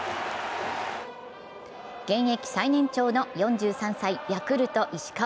現役最年長の４３歳、ヤクルト・石川。